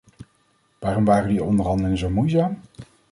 Waarom waren die onderhandelingen zo moeizaam?